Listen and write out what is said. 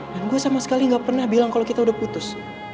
dan gue sama sekali gak pernah bilang kalo kita udah putus